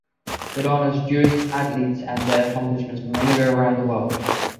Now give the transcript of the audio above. It honors Jewish athletes and their accomplishments from anywhere around the world.